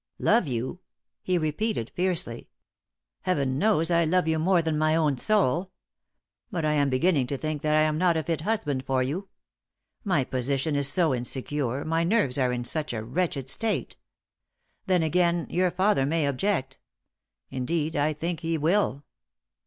"Love you?" he repeated, fiercely. "Heaven knows I love you than my own soul. But I am beginning to think that I am not a fit husband for you. My position is so insecure, my nerves are in such a wretched state. Then again, your father may object. Indeed, I think he will."